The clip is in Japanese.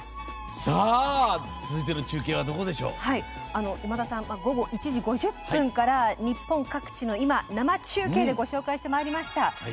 続いての中継は午後１時５０分から日本各地の今を生中継でご紹介してまいりました。